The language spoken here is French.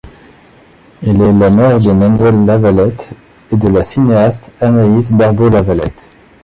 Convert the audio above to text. Elle est la mère de Manuel Lavalette et de la cinéaste Anaïs Barbeau-Lavalette.